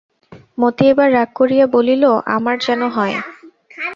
মতি এবার রাগ করিয়া বলিল, আমার যেন হয়!